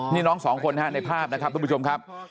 นี่น้อง๒คนครับในภาพทุกผู้ชมครับ